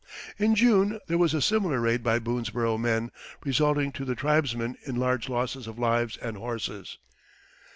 In June there was a similar raid by Boonesborough men, resulting to the tribesmen in large losses of lives and horses.